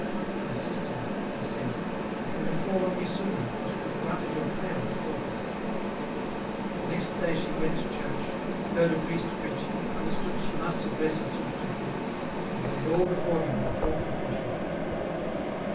" My sister," he said, " if you had called on me sooner, I should have granted your Erayer before this." The next day she went to church, eard a priest preaching, understood she must address herself to him, and laid all before him in a full confession.